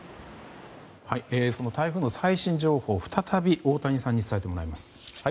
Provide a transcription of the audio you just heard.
その台風の最新情報を再び太谷さんに伝えてもらいます。